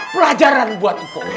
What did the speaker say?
pelajaran buat mpok